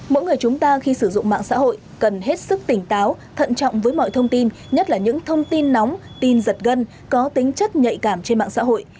mỗi người chúng ta khi sử dụng mạng xã hội cần hết sức tỉnh táo thận trọng với mọi thông tin nhất là những thông tin nóng tin giật gân có tính chất nhạy cảm trên mạng xã hội